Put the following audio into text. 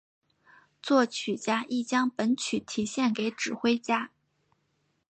作曲家亦将本曲题献给指挥家。